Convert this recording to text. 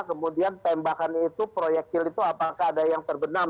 kemudian tembakan itu proyektil itu apakah ada yang terbenam